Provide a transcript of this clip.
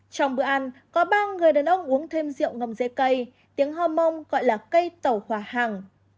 trong bữa ăn có ba người đàn ông uống thêm rượu ngầm dế cây tiếng hò mông gọi là cây tẩu hòa hàng